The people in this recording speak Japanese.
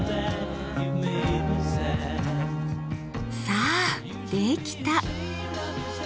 さあできた！